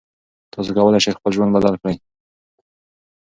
تاسو کولی شئ خپل ژوند بدل کړئ.